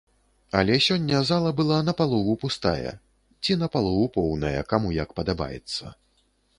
Але сёння зала была на палову пустая, ці на палову поўная, каму як падабаецца.